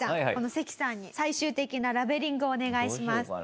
セキさんに最終的なラベリングをお願いします。